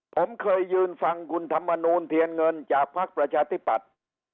ผมเคยยืนฟังกุณธรรมนูนเถียงเงินจากภาคประชาธิปัตต์